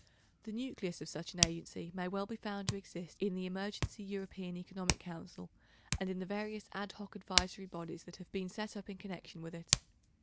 The nucleus of such an agency may well be found to exist in the Emergency European Economic Council and in the various ad hoc advisory bodies that have been set up in connection with it.